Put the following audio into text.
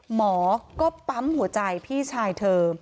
หมอก็ปั๊มหัวใจพี่ชายเธอ